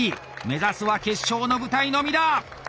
目指すは決勝の舞台のみだ！